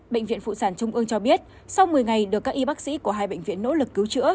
bệnh viện phụ sản trung ương cho biết sau một mươi ngày được các y bác sĩ của hai bệnh viện nỗ lực cứu chữa